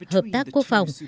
hợp tác quốc phòng